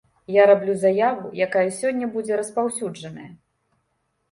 Я раблю заяву, якая сёння будзе распаўсюджаная.